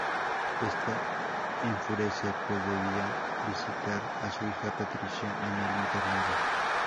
Ésta enfurece, pues debía visitar a su hija Patricia en el internado.